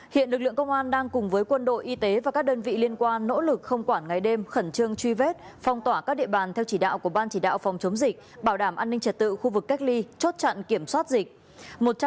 hiện lực lượng công an đang cùng với quân đội y tế và các đơn vị liên quan nỗ lực không quản ngày đêm khẩn trương truy vết phong tỏa các địa bàn theo chỉ đạo của ban chỉ đạo phòng chống dịch bảo đảm an ninh trật tự khu vực cách ly chốt chặn kiểm soát dịch